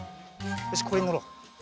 よしこれにのろう。